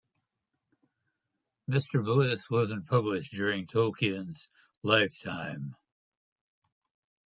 "Mr. Bliss" wasn't published during Tolkien's lifetime.